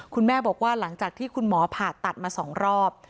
คุณแม่บอกว่าหลังจากที่คุณหมอผ่าตัดมา๒รอบ